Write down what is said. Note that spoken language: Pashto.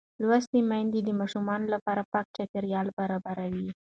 لوستې میندې د ماشوم لپاره پاک چاپېریال برابروي.